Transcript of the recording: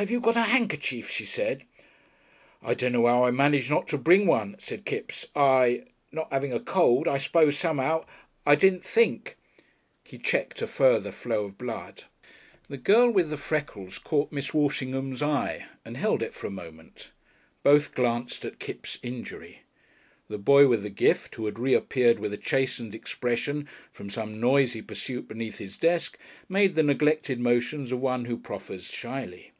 "Have you got a handkerchief?" she said. "I dunno 'ow I managed not to bring one," said Kipps. "I Not 'aving a cold I suppose some'ow I didn't think " He checked a further flow of blood. The girl with the freckles caught Miss Walshingham's eye, and held it for a moment. Both glanced at Kipps' injury. The boy with the gift, who had reappeared with a chastened expression from some noisy pursuit beneath his desk, made the neglected motions of one who proffers shyly.